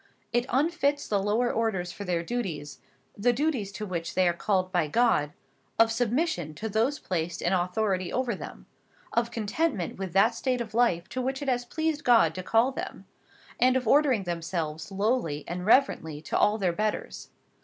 It unfits the lower orders for their duties, the duties to which they are called by God; of submission to those placed in authority over them; of contentment with that state of life to which it has pleased God to call them, and of ordering themselves lowly and reverently to all their betters.